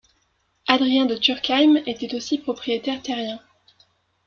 Adrien de Turckheim était aussi propriétaire terrien.